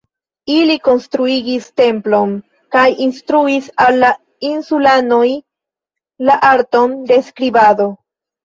Ili konstruigis templon kaj instruis al la insulanoj la arton de skribado.